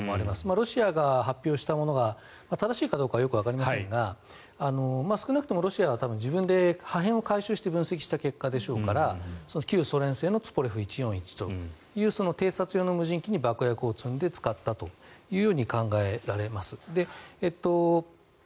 ロシアが発表したものが正しいかどうかはよくわかりませんが少なくともロシアは自分で破片を回収して分析した結果でしょうから旧ソ連製のＴｕ−１４１という偵察用の無人機に爆薬を積んで使ったと考えられます。